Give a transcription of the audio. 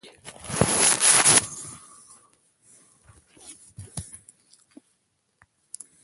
د زبېښونکو بنسټونو د بیا را ژوندي کېدو انګېزې له منځه وړي.